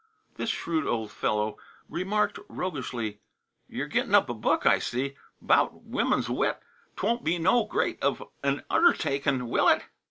This shrewd old fellow remarked roguishly "You're gittin' up a book, I see, 'baout women's wit. 'Twon't be no great of an undertakin', will it?"